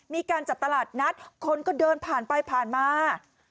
มีการจัดตลาดนัดคนก็เดินผ่านไปผ่านมา